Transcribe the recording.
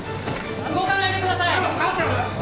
動かないでください！